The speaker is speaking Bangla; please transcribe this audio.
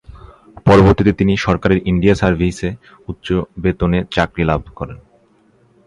পরবর্তীতে তিনি সরকারের ইন্ডিয়া সার্ভিসে উচ্চ বেতনে চাকরি লাভ করেন।